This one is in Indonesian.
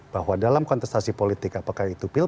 bahwa dalam kontestasi politik apakah itu pilpres